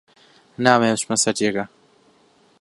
نامەوێت بچمە سەر جێگا.